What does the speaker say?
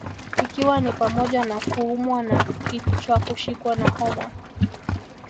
Ikiwa ni pamoja na kuumwa na kichwakushikwa na homa